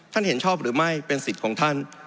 เห็นชอบหรือไม่เป็นสิทธิ์ของท่าน